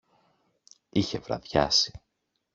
Είχε βραδιάσει.